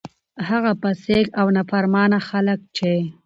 هغه فاسق او نا فرمانه خلک چې: